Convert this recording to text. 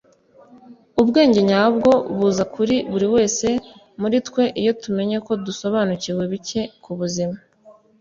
ubwenge nyabwo buza kuri buri wese muri twe iyo tumenye ko dusobanukiwe bike ku buzima